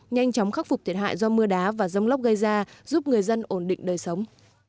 nhanh chóng khắc phục thiệt hại do mưa đá và rông lốc gây ra giúp người dân ổn định đời sống